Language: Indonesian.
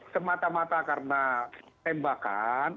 kemata mata karena tembakan